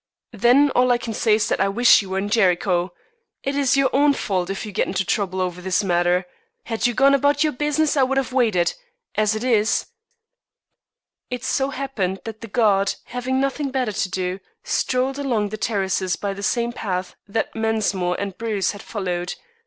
"Then all I can say is that I wish you were in Jericho. It is your own fault if you get into trouble over this matter. Had you gone about your business I would have waited. As it is " It so happened that the guard, having nothing better to do, strolled along the terraces by the same path that Mensmore and Bruce had followed.